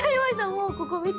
もうここ見て。